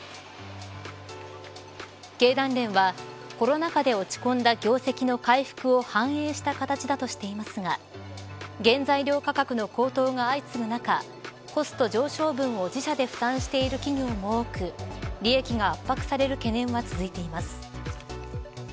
経団連はコロナ禍で落ち込んだ業績の回復を反映した形だとしていますが原材料価格の高騰が相次ぐ中コスト上昇分を自社で負担している企業も多く利益が圧迫される懸念は続いています。